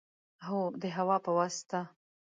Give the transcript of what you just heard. هو، د هوا په واسطه